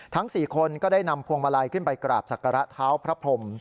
๔คนก็ได้นำพวงมาลัยขึ้นไปกราบศักระเท้าพระพรม